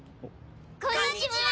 こんにちは！